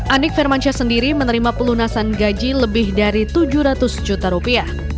anik firmansyah sendiri menerima pelunasan gaji lebih dari tujuh ratus juta rupiah